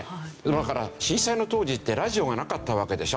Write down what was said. だから震災の当時ってラジオがなかったわけでしょ。